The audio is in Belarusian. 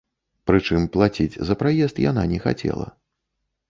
Прычым плаціць за праезд яна не хацела.